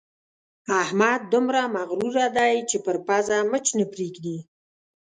احمد دومره مغروره دی چې پر پزه مچ نه پرېږدي.